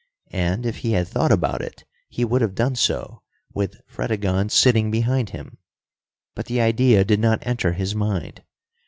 And, if he had thought about it, he would have done so, with Fredegonde sitting behind him. But the idea did not enter his mind.